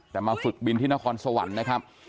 แต่มาฝึกบินที่นครสวรรค์นะครับ